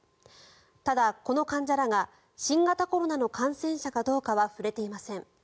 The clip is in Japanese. ただ、この患者らが新型コロナの感染者かどうかは触れていません。